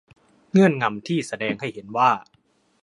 เงื่อนงำที่แสดงให้เห็นว่า